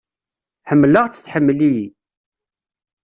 Ḥemmleɣ-tt, tḥemmel-iyi.